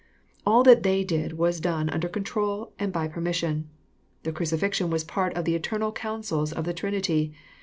All that they did was done under control, and by permission. The crucifixion was part of the eternal counsels of the Trinity.